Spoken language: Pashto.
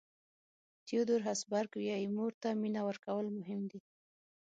تیودور هسبرګ وایي مور ته مینه ورکول مهم دي.